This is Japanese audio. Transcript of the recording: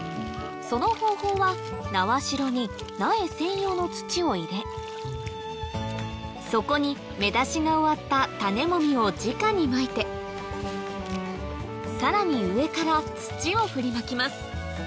その方法は苗代に苗専用の土を入れそこに芽出しが終わった種もみをじかにまいてさらに上から土を振りまきます